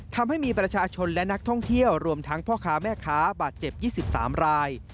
ทำให้มีประชาชนและนักท่องเที่ยวรวมทั้งพ่อค้าแม่ค้าบาดเจ็บ๒๓ราย